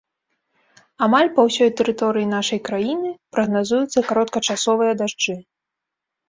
Амаль па ўсёй тэрыторыі нашай краіны прагназуюцца кароткачасовыя дажджы.